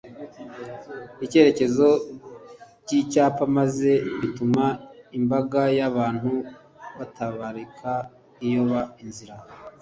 icyerekezo cyicyapa maze bituma imbaga yabantu batabarika iyoba inzira